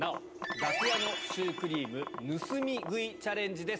楽屋のシュークリーム盗み食いチャレンジです。